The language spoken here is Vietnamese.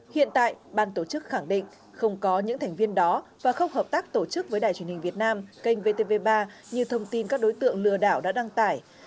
hiện tại ban tổ chức khẳng định không có những thành viên đó và không hợp tác tổ chức với đài truyền hình việt nam kênh vtv ba như thông tin các đối tượng lừa đảo đã đăng tải